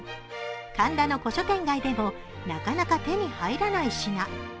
神田の古書店街でもなかなか手に入らない品。